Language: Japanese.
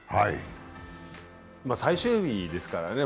最終日ですからね。